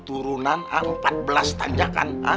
turunan empat belas tanjakan